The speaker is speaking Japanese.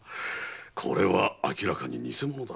これは明らかに偽物だ。